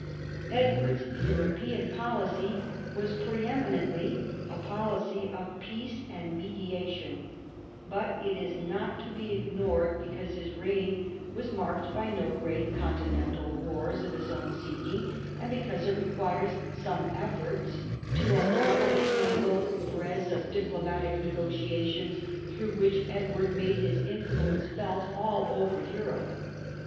Edward's f]uropean policy was pre eminently a policy of peace and mediation, but it is not to be ignored because his reign was marked V EDWARD'S CONTINENTAL POLICY 105 by no great continental wars of his own seeking, and because it requires some effort to unravel the tangled threads of diplomatic negotiations through which Edward made his influence felt all over Europe.